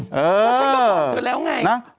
เพราะฉันก็บอกเธอแล้วไง